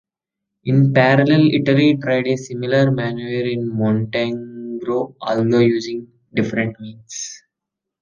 In parallel, Italy tried a similar maneuver in Montenegro, although using different means.